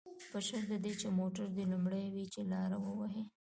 په شرط د دې چې موټر دې لومړی وي، چې لاره ووهي.